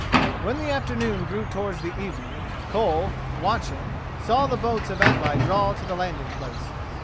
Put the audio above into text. When the afternoon grew towards the evening, Koll, watching, saw the boats of Atli draw to the landing place.